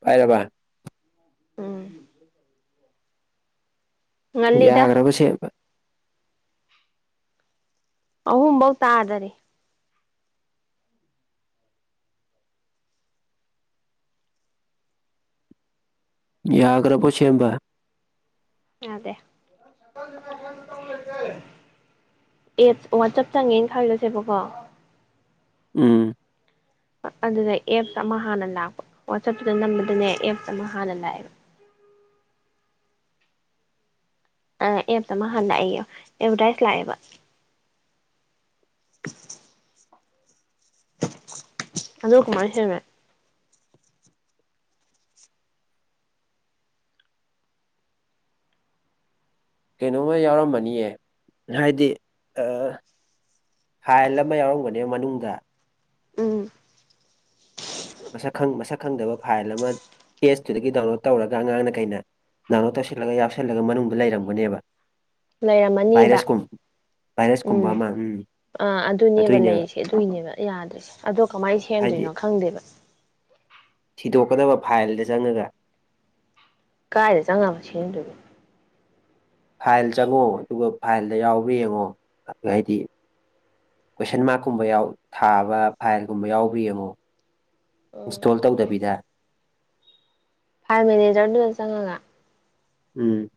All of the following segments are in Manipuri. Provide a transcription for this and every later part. ꯄꯥꯏꯔꯕ ꯎꯝ ꯉꯜꯂꯤꯗ ꯌꯥꯈ꯭ꯔꯕꯁꯦ ꯑꯍꯨꯝ ꯕꯧ ꯇꯥꯗꯔꯤ ꯌꯥꯒ꯭ꯔꯥꯕꯣ ꯁꯦꯝꯕ ꯌꯥꯗꯦ [unintelligible] ꯑꯦꯠ ꯋꯥꯆꯞ ꯆꯪꯉꯦꯟ ꯈꯜꯂꯁꯦꯕꯀꯣ ꯎꯝ ꯑꯗꯨꯗ ꯑꯦꯞꯁ ꯑꯃ ꯍꯥꯟꯅ ꯂꯥꯛꯄ ꯋꯥꯆꯞꯇꯨꯗ ꯅꯝꯕꯗꯅꯦ ꯑꯦꯞꯁ ꯑꯃ ꯍꯥꯟꯅ ꯂꯥꯛꯑꯦ ꯑ ꯑꯦꯞꯇ ꯑꯃ ꯍꯥꯟ ꯂꯥꯛꯑꯦꯌꯣ ꯑꯕꯗꯥꯏꯁ ꯂꯥꯛꯑꯦꯕ [inaudible] ꯑꯗꯨ ꯀꯨꯃꯥꯢ ꯁꯦꯃꯦ ꯀꯩꯅꯣꯝꯃ ꯌꯥꯎꯔꯝꯃꯅꯤꯌꯦ ꯍꯥꯏꯗꯤ ꯑ ꯐꯥꯏꯜ ꯑꯃ ꯌꯥꯎꯔꯝꯒꯅꯦ ꯃꯅꯨꯡꯗ ꯎꯝ ꯃꯁꯛ ꯈꯪ ꯃꯁꯛ ꯈꯪꯗꯕ ꯐꯥꯏꯜ ꯑꯃ ꯄꯦꯖꯇꯨꯗꯒꯤ ꯗꯥꯎꯟꯂꯣꯗ ꯇꯧꯔꯒ ꯑꯉꯥꯡꯅ ꯀꯩꯅ ꯗꯥꯎꯂꯣꯠ ꯇꯧꯁꯤꯜꯂꯒ ꯌꯥꯎꯁꯜꯂꯒ ꯃꯅꯨꯡꯗ ꯂꯩꯔꯝꯒꯅꯦꯕ ꯂꯩꯔꯝꯃꯅꯤꯕ ꯕꯥꯢꯔꯁ ꯀꯨꯝꯕ ꯑꯃ ꯎꯝ ꯑ ꯑꯗꯨꯅꯦꯕ ꯑꯗꯨꯏꯅꯦꯕ ꯂꯩꯔꯤꯁꯦ ꯑꯗꯨꯏꯅꯦꯕ ꯌꯥꯗ꯭ꯔꯤꯁꯦ ꯑꯗꯣ ꯀꯃꯥꯏ ꯍꯥꯏꯗꯤ ꯁꯦꯝꯗꯣꯏꯅꯣ ꯈꯪꯗꯦꯕ ꯊꯤꯗꯣꯛꯀꯗꯕ ꯐꯥꯏꯜꯗ ꯆꯪꯉꯒ ꯀꯥꯏꯗ ꯆꯪꯉꯕ ꯁꯦꯝꯗꯣꯏꯕ ꯐꯥꯏꯜ ꯆꯪꯉꯣ ꯗꯨꯒ ꯐꯥꯏꯜꯗ ꯌꯥꯎꯕ꯭ꯔꯥ ꯌꯦꯉꯣ ꯑꯗꯨ ꯍꯥꯏꯗꯤ ꯀꯣꯏꯁꯟ ꯃꯥꯛꯀꯨꯝꯕ ꯌꯥꯎ ꯊꯥꯕ ꯐꯥꯏꯜꯒꯨꯝꯕ ꯌꯥꯎꯕ꯭ꯔ ꯌꯦꯉꯣ ꯏꯟꯁꯇꯣꯜ ꯇꯧꯗꯕꯤꯗ ꯐꯥꯢꯜ ꯃꯦꯅꯦꯖꯔꯗꯨꯗ ꯆꯪꯉꯒ ꯎꯝ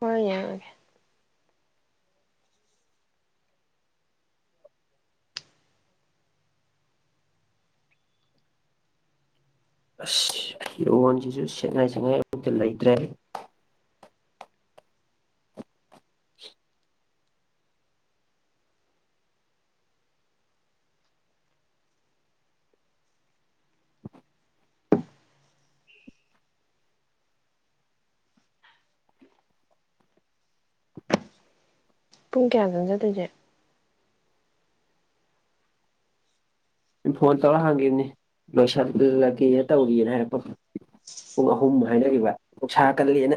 ꯍꯣꯏ ꯌꯦꯡꯉꯒꯦ ꯑꯁ ꯐꯤꯔꯣꯟꯖꯤꯖꯨ ꯁꯦꯠꯉꯥꯏ ꯁꯦꯉꯥꯏ ꯑꯝꯇ ꯂꯩꯇ꯭ꯔꯦ ꯄꯨꯡ ꯀꯌꯥꯗꯅꯣ ꯖꯠꯇꯣꯏꯖꯦ ꯏꯝꯐꯣꯟ ꯇꯧꯔ ꯍꯥꯡꯒꯤꯝꯅꯤ ꯂꯣꯏꯁꯜꯂꯒꯦ ꯇꯧꯔꯤꯑꯅ ꯍꯥꯏꯔꯛꯄ ꯄꯨꯡ ꯑꯍꯨꯝ ꯍꯥꯏꯅꯒꯤꯕ ꯅꯨꯡꯁꯥ ꯀꯜꯂꯦꯅ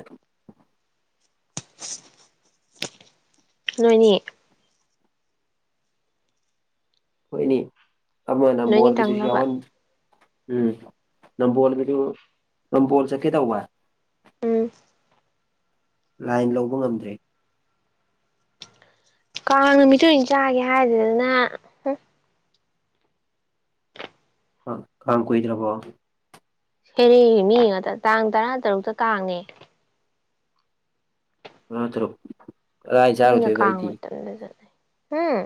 ꯅꯣꯏꯅꯤ ꯍꯣꯏꯅꯤ ꯑꯃꯅ ꯅꯣꯏꯅꯤ ꯕꯣꯜꯒꯤꯗꯨꯁ ꯇꯪꯅꯕ ꯌꯥꯎꯍꯟ ꯎꯝ ꯅꯝꯕꯣꯜꯒꯤꯗꯨ ꯅꯝꯕꯣꯜ ꯆꯠꯀꯦ ꯇꯧꯕ ꯎꯝ ꯂꯥꯏꯟ ꯂꯧꯕ ꯉꯝꯗ꯭ꯔꯦ ꯀꯥꯡ ꯅꯨꯃꯤꯠꯇꯨ ꯑꯣꯏꯟ ꯆꯥꯒꯦ ꯍꯥꯏꯗꯗꯅ ꯑꯥ ꯀꯥꯡ ꯀꯨꯏꯗ꯭ꯔꯕꯣ ꯁꯦꯔꯦꯒꯤ ꯃꯤ ꯉꯥꯇ ꯇꯥꯡ ꯇꯔꯥꯇꯔꯨꯛꯇ ꯀꯥꯡꯅꯦ ꯇꯔꯥ ꯇꯔꯨꯛ ꯀꯗꯥꯏ ꯃꯤꯅ ꯆꯥꯔꯨꯗꯣꯏꯕ ꯀꯥꯡ ꯑꯩꯗꯤ ꯃꯇꯝꯗ ꯆꯠꯅꯩ ꯍꯨꯝ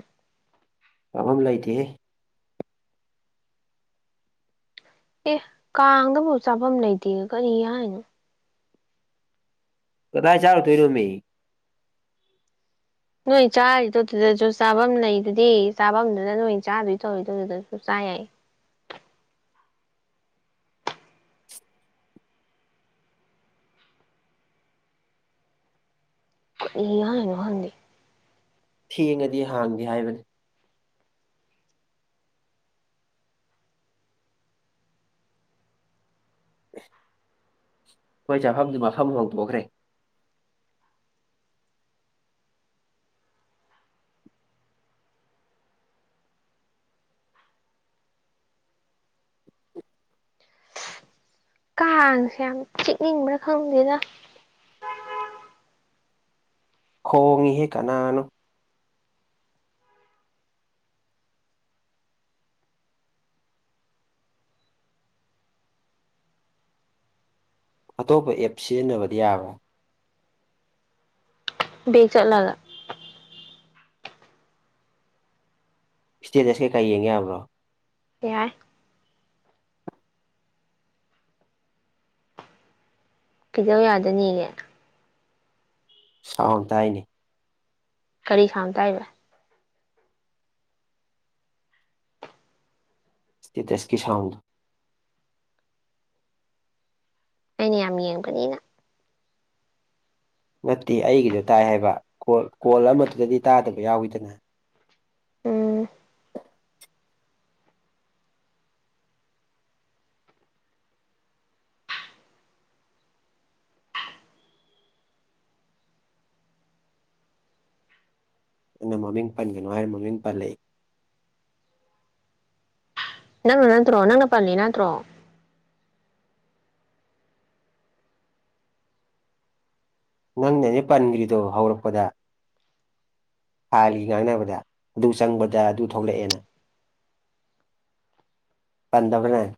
ꯄꯥꯕꯝ ꯂꯩꯇꯦꯍꯦ ꯑꯦ ꯀꯥꯡꯗꯕꯨ ꯆꯥꯕꯝ ꯂꯩꯇꯦ ꯀꯔꯤ ꯍꯥꯏꯅꯣ ꯀꯗꯥꯏ ꯆꯥꯔꯨꯇꯣꯏꯅꯣꯃꯤ ꯅꯣꯏ ꯆꯥꯔꯤꯗꯣ ꯗꯨꯗꯖꯨ ꯆꯥꯕꯝ ꯂꯩꯗꯨꯗꯤ ꯆꯥꯕꯝꯗꯨꯅ ꯅꯣꯏ ꯆꯥꯗꯣꯏ ꯇꯧꯔꯤꯗꯣ ꯗꯨꯗꯖꯨ ꯆꯥ ꯌꯥꯏ ꯀꯔꯤ ꯍꯥꯏꯅꯣ ꯈꯪꯗꯦ ꯊꯦꯡꯉꯗꯤ ꯍꯥꯡꯗꯦ ꯍꯥꯏꯕꯅꯤ ꯈꯣꯏ ꯆꯥꯐꯝꯗꯤ ꯃꯐꯝ ꯍꯧꯇꯣꯈ꯭ꯔꯦ ꯀꯥꯡꯁꯦ ꯌꯥꯝ ꯆꯤꯛꯅꯤꯡꯕ꯭ꯔꯥ ꯈꯪꯗꯦꯗ ꯈꯣꯡꯉꯤꯍꯦ ꯀꯅꯥꯅꯣ ꯑꯇꯣꯞꯄ ꯑꯦꯞ ꯁꯤꯖꯤꯟꯅꯕꯗꯤ ꯌꯥꯕ꯭ꯔꯥ ꯕꯦꯛ ꯆꯠꯂꯒ ꯏꯁꯇꯦꯗꯁ ꯀꯩꯀꯥ ꯌꯦꯡ ꯌꯥꯕ꯭ꯔꯣ ꯌꯥꯏ ꯀꯩꯗꯧ ꯌꯥꯗꯅꯤꯒꯦ ꯁꯥꯎꯟ ꯇꯥꯏꯅꯦ ꯀꯔꯤ ꯁꯥꯎꯟ ꯇꯥꯏꯕ ꯏꯁꯇꯦꯇꯁꯀꯤ ꯁꯥꯎꯟꯗꯣ ꯑꯩꯅ ꯌꯥꯝ ꯌꯦꯡꯕꯅꯤꯅ ꯅꯠꯇꯦ ꯑꯩꯒꯤꯗꯣ ꯇꯥꯏ ꯍꯥꯏꯕ ꯀꯣꯜ ꯀꯣꯜ ꯑꯃꯗꯨꯗꯗꯤ ꯇꯥꯗꯕ ꯌꯥꯎꯋꯤꯗꯅ ꯎꯝ ꯑꯩꯅ ꯃꯃꯤꯡ ꯄꯟꯒꯅꯨ ꯍꯥꯏꯔ ꯃꯃꯤꯡ ꯄꯜꯂꯏ ꯅꯪꯅ ꯅꯠꯇ꯭ꯔꯣ ꯅꯪꯅ ꯄꯜꯂꯤ ꯅꯠꯇ꯭ꯔꯣ ꯅꯪꯅꯅꯦ ꯄꯟꯈ꯭ꯔꯤꯗꯣ ꯍꯧꯔꯛꯄꯗ ꯊꯥꯒꯤ ꯉꯥꯡꯅꯕꯗ ꯑꯗꯨ ꯆꯪꯕꯗ ꯑꯗꯨ ꯊꯣꯛꯂꯛꯑꯦꯅ ꯄꯟꯗꯕꯅꯦ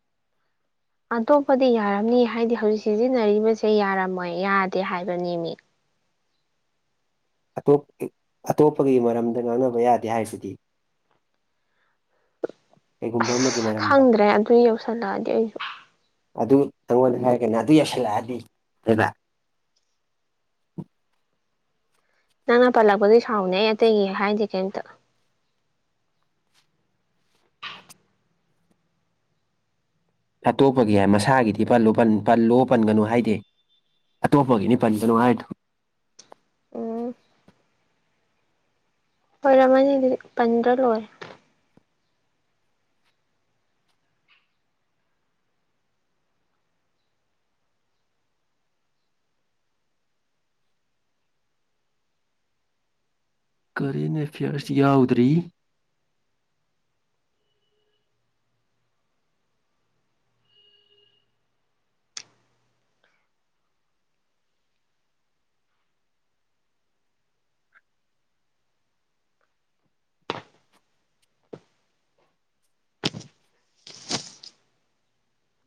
ꯑꯇꯣꯞꯄꯗꯤ ꯌꯥꯔꯝꯅꯤ ꯍꯥꯏꯗꯤ ꯍꯧꯖꯤꯛ ꯁꯤꯖꯤꯟꯅꯔꯤꯕꯁꯦ ꯌꯥꯔꯝꯃꯣꯏ ꯌꯥꯗꯦ ꯍꯥꯏꯕꯅꯦꯃꯤ ꯑꯇꯣꯞ ꯑꯇꯣꯞꯄꯒꯤ ꯃꯔꯝꯗ ꯉꯥꯡꯅꯕ ꯌꯥꯗꯦ ꯍꯥꯏꯁꯤꯗꯤ [inaudible] ꯑꯃꯒꯤ ꯃꯔꯝꯗ ꯈꯪꯗ꯭ꯔꯦ ꯑꯗꯨ ꯌꯧꯁꯜꯂꯛꯑꯗꯤ ꯑꯩꯁꯨ ꯑꯗꯨ ꯅꯪꯉꯣꯟꯗ ꯍꯥꯏꯔꯒꯅ ꯑꯗꯨ ꯌꯧꯁꯤꯜꯂꯛꯑꯗꯤ ꯍꯥꯏꯕ ꯅꯪꯅ ꯄꯜꯂꯛꯄꯗꯨꯏ ꯁꯥꯎꯕꯅꯦ ꯑꯩ ꯑꯇꯩꯒꯤ ꯍꯥꯏꯗꯦ ꯀꯩꯃꯇ ꯑꯇꯣꯞꯄꯒꯤ ꯃꯁꯥꯒꯤꯗꯤ ꯄꯜ ꯄꯜꯂꯣ ꯄꯟꯒꯅꯨ ꯍꯥꯏꯗꯦ ꯑꯇꯣꯞꯄꯒꯤꯅꯤ ꯄꯟꯒꯅꯨ ꯍꯥꯏꯗꯣ ꯑꯣ ꯑꯣꯏꯔꯝꯃꯅꯤ ꯑꯗꯨꯗꯤ ꯄꯟꯗ꯭ꯔ ꯂꯣꯏꯔꯦ ꯀꯔꯦꯟ ꯑꯦꯐꯤꯌꯔꯁ ꯌꯥꯎꯗ꯭ꯔꯤ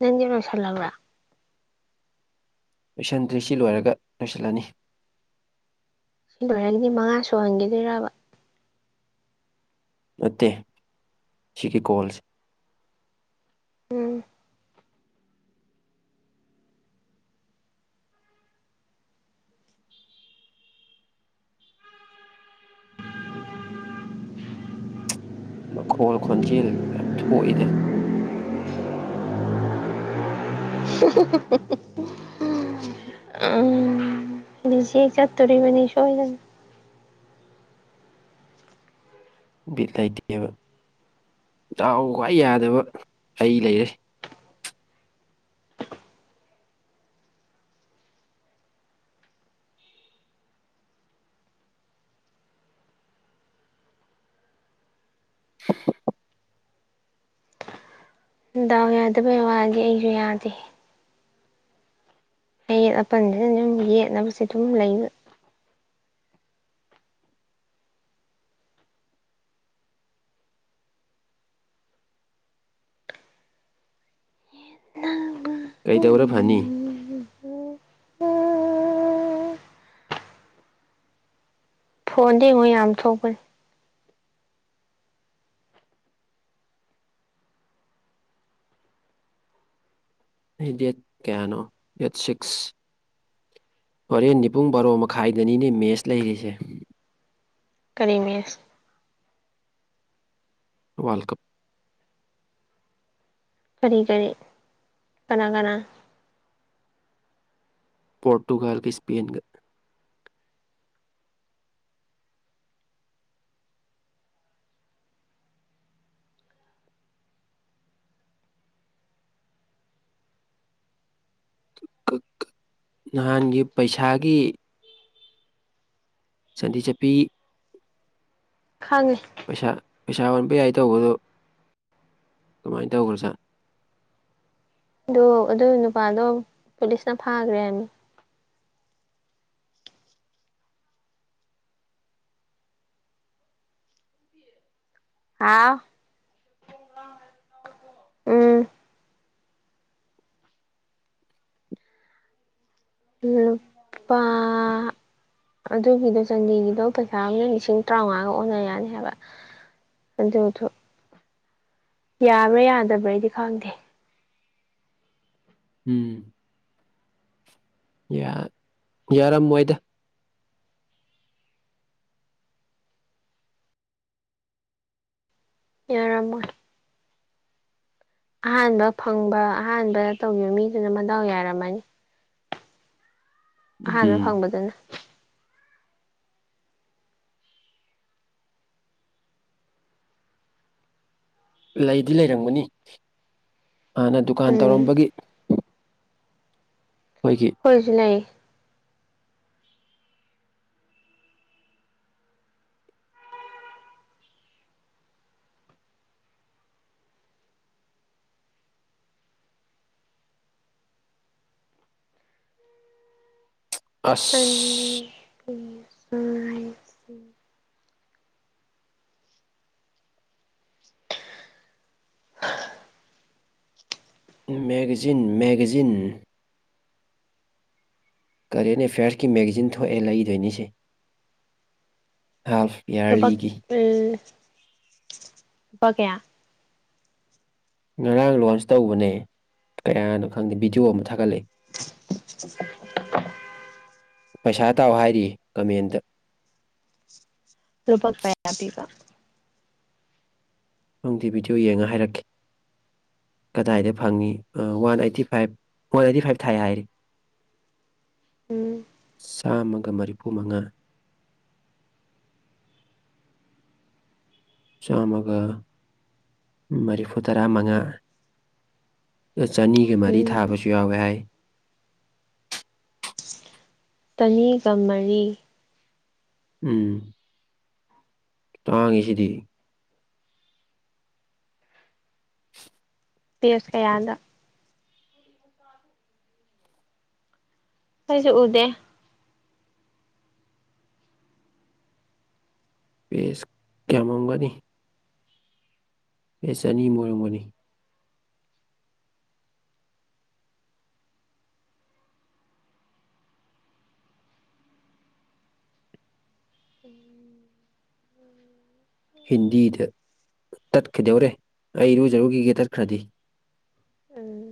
ꯅꯪꯗꯤ ꯂꯣꯏꯁꯜꯂꯕ꯭ꯔ ꯂꯣꯏꯁꯤꯟꯗ꯭ꯔꯤ ꯁꯤ ꯂꯣꯏꯔꯒ ꯂꯣꯏꯁꯜꯂꯅꯤ ꯕ꯭ꯔꯦꯟꯗꯤ ꯃꯉꯥ ꯁꯨꯍꯟꯒꯤꯗꯣꯏꯔꯕ ꯅꯠꯇꯦ ꯁꯤꯒꯤ ꯀꯣꯜꯁ ꯎꯝ ꯃꯈꯣꯜ ꯈꯣꯟꯖꯦꯜ ꯃꯌꯥꯝ ꯊꯣꯛꯏꯗ ꯍꯤ ꯍꯤ ꯍꯤ ꯍꯤ ꯎꯝ ꯔꯤꯖꯦꯛ ꯆꯠꯇꯣꯔꯤꯕꯅꯤ ꯁꯣꯏꯗꯅ ꯕꯤꯠ ꯂꯩꯇꯦꯕ ꯗꯥꯎ ꯈ꯭ꯋꯥꯏ ꯌꯥꯗꯕ ꯑꯩ ꯂꯩꯔꯦ ꯗꯥꯎ ꯌꯥꯗꯕꯩ ꯋꯥꯗꯤ ꯑꯩꯁꯨ ꯌꯥꯗꯦ ꯑꯌꯦꯠ ꯑꯄꯟꯖꯤꯗ ꯗꯨꯝ ꯌꯦꯠꯅꯕꯁꯦ ꯑꯗꯨꯝ ꯂꯩꯕ ꯅꯪ ꯀꯩꯗꯧꯔ ꯐꯅꯤ ꯎꯝ ꯐꯣꯟꯗ ꯌꯦꯡꯉꯣ ꯌꯥꯝ ꯊꯣꯛꯄꯅꯤ ꯉꯁꯤ ꯗꯦꯠ ꯀꯌꯥꯅꯣ ꯗꯦꯠ ꯁꯤꯛꯁ ꯍꯣꯔꯦꯟꯗꯤ ꯄꯨꯡ ꯕꯥꯔꯣ ꯃꯈꯥꯏꯗꯅꯤꯅꯦ ꯃꯦꯁ ꯂꯩꯔꯤꯁꯦ ꯀꯔꯤ ꯃꯦꯁ ꯋꯥꯔꯜ ꯀꯞ ꯀꯔꯤ ꯀꯔꯤ ꯀꯅꯥ ꯀꯅꯥ ꯄꯣꯔꯇꯨꯒꯜꯒ ꯁ꯭ꯄꯦꯟꯒ ꯀꯛ ꯀꯛ ꯅꯍꯥꯟꯒꯤ ꯄꯩꯁꯥꯒꯤ ꯆꯥꯟꯗꯤ ꯆꯞꯄꯤ ꯈꯪꯉꯦ ꯄꯩꯁꯥ ꯄꯩꯁꯥ ꯑꯣꯟꯕ ꯌꯥꯏ ꯇꯧꯕꯗꯨ ꯀꯃꯥꯏ ꯇꯧꯈ꯭ꯔ ꯖꯥꯠꯅꯣ ꯑꯗꯣ ꯑꯗꯨꯏ ꯅꯨꯄꯥꯗꯣ ꯄꯨꯂꯤꯁꯅ ꯐꯥꯒ꯭ꯔꯦ ꯍꯥꯏꯃꯤ ꯍꯥꯥꯎ ꯎꯝ ꯎꯝ ꯂꯨꯄꯥ ꯑꯗꯨꯒꯤꯗꯣ ꯆꯥꯟꯗꯤꯒꯤꯗꯣ ꯄꯩꯁꯥ ꯑꯃꯅ ꯂꯤꯁꯤꯡ ꯇꯔꯥ ꯃꯉꯥꯒ ꯑꯣꯟꯅ ꯌꯥꯅꯤ ꯍꯥꯏꯕ ꯑꯗꯨꯊꯣ ꯌꯥꯕ꯭ꯔ ꯌꯥꯗꯕ꯭ꯔꯩꯗꯤ ꯈꯪꯗꯦ ꯎꯝ ꯌꯥ ꯌꯥꯔꯝꯃꯣꯏꯗ ꯌꯥꯔꯝꯃꯣꯏ ꯑꯍꯥꯟꯕ ꯐꯪꯕ ꯑꯍꯥꯟꯕ ꯇꯧꯒꯤꯕ ꯃꯤꯗꯨꯅ ꯃꯗꯥꯎ ꯌꯥꯔꯝꯃꯅꯤ ꯑꯍꯥꯟꯕ ꯎꯝ ꯐꯪꯕꯗꯅ ꯂꯩꯗꯤ ꯂꯩꯔꯝꯒꯅꯤ ꯍꯥꯟꯅ ꯗꯨꯀꯥꯟ ꯎꯝ ꯇꯧꯔꯝꯕꯒꯤ ꯍꯣꯏꯒꯤ ꯈꯣꯏꯁꯨ ꯂꯩ ꯑꯁ ꯏꯝ ꯃꯦꯒꯥꯖꯤꯟ ꯃꯦꯒꯥꯖꯤꯟ ꯀꯔꯦꯟ ꯑꯦꯐꯤꯌꯔꯁꯀꯤ ꯃꯦꯒꯖꯤꯟ ꯊꯣꯛꯑꯦ ꯂꯩꯗꯣꯏꯅꯤꯁꯦ ꯍꯥꯞ ꯂꯨꯄꯛ ꯑ ꯂꯨꯄꯥ ꯀꯌꯥ ꯉꯔꯥꯡ ꯂꯣꯟꯁ ꯇꯧꯕꯅꯦ ꯀꯌꯥꯅꯣ ꯈꯪꯗꯦ ꯚꯤꯗꯤꯑꯣ ꯑꯃ ꯊꯥꯒꯠꯂꯛꯑꯦ [unintelligible] ꯄꯩꯁꯥ ꯇꯥꯎ ꯍꯥꯏꯔꯤ ꯀꯃꯦꯟꯗ ꯂꯨꯄꯥ ꯀꯌꯥ ꯄꯤꯕ ꯔꯪꯗꯦ ꯕꯤꯗꯤꯑꯣ ꯌꯦꯡꯉ ꯍꯥꯏꯔꯛꯀꯦ ꯀꯗꯥꯏꯗ ꯐꯪꯉꯤ ꯑ one eighty five one eighty five ꯊꯥꯏ ꯍꯥꯏꯔꯤ ꯎꯝ ꯆꯥꯝꯃꯒ ꯃꯔꯤꯐꯨ ꯃꯉꯥ ꯆꯥꯝꯃꯒ ꯃꯔꯤꯐꯨꯇꯔꯥꯃꯉꯥ ꯑ ꯆꯅꯤꯒ ꯃꯔꯤ ꯎꯝ ꯊꯥꯕꯁꯨ ꯌꯥꯎꯋꯦ ꯍꯥꯏ ꯇꯅꯤꯒ ꯃꯔꯤ ꯎꯝ ꯇꯥꯡꯉꯤ ꯁꯤꯗꯤ ꯄꯦꯁ ꯀꯌꯥꯗ ꯑꯩꯁꯨ ꯎꯗꯦ ꯄꯦꯁ ꯌꯥꯝꯃꯝꯒꯅꯤ ꯄꯦꯁ ꯆꯅꯤꯃꯨꯛ ꯑꯣꯏꯔꯝꯒꯅꯤ ꯍꯤꯟꯗꯤꯗ ꯇꯠꯈꯤꯗꯧꯔꯦ ꯑꯩ ꯏꯔꯨꯖꯔꯨꯒꯤꯒꯦ ꯇꯠꯈ꯭ꯔꯗꯤ ꯎꯝ